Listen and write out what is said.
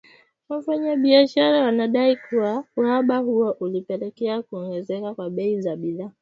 Wafanyabiashara wanadai kuwa uhaba huo ulipelekea kuongezeka kwa bei za bidhaa